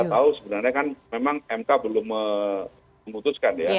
kita tahu sebenarnya kan memang mk belum memutuskan ya